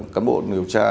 cả bộ điều tra